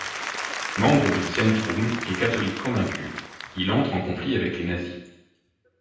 Membre du Zentrum et catholique convaincu, il entre en conflit avec les nazis.